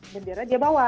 bendera dia bawa